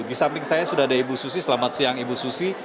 di samping saya sudah ada ibu susi selamat siang ibu susi